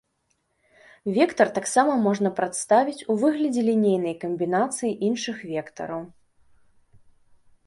Вектар таксама можна прадставіць у выглядзе лінейнай камбінацыі іншых вектараў.